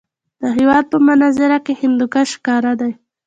د هېواد په منظره کې هندوکش ښکاره دی.